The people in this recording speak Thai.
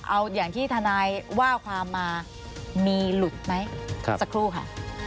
เอาอย่างที่ทนายว่าความมามีหลุดไหมสักครู่ค่ะ